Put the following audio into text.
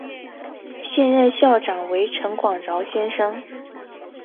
现任校长为陈广尧先生。